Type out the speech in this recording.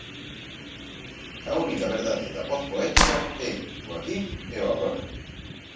A única verdade da voz poética é o aquí e o agora.